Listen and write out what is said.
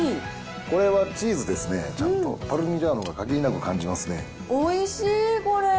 これはチーズですね、ちゃんとパルミジャーノをかぎりなく感おいしい、これ。